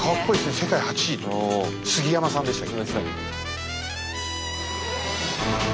世界８位杉山さんでしたっけ。